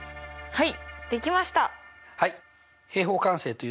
はい。